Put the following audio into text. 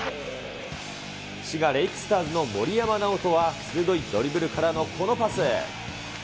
滋賀レイクスターズのもりやまなおとは鋭いドリブルからのこのパス。